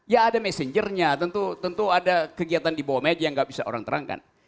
ya ada messengernya tentu ada kegiatan di bawah meja yang nggak bisa orang terangkan